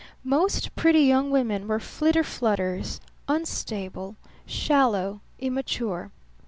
Most pretty young women were flitter flutters, unstable, shallow, immature.